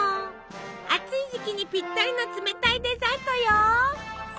暑い時期にぴったりの冷たいデザートよ。